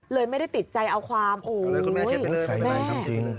เลยไม่ได้ติดใจเอาความโอ้โฮ